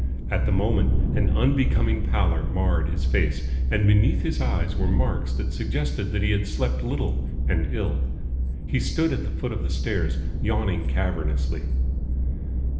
At the moment an unbecoming pallor marred his face, and beneath his eyes were marks that suggested that he had slept little and ill. He stood at the foot of the stairs, yawning cavernously.